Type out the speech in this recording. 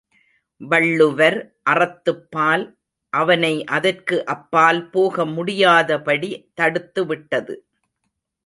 வள்ளுவர் அறத்துப்பால் அவனை அதற்கு அப்பால் போக முடியாதபடி தடுத்துவிட்டது.